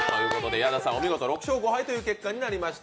矢田さん、お見事６勝５敗という結果になりました。